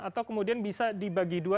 atau kemudian bisa dibagi dua